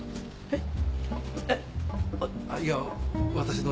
えっ？